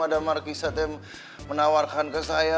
ada marquisa teh menawarkan ke saya